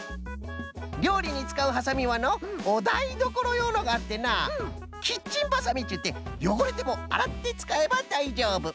りょうりにつかうハサミはのおだいどころようのがあってなキッチンバサミっちゅうてよごれてもあらってつかえばだいじょうぶ。